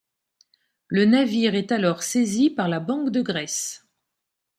Le navire est alors saisi par la Banque de Grèce.